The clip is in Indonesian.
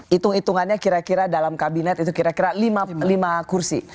hitung hitungannya kira kira dalam kabinet itu kira kira lima kursi